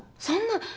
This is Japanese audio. そんな！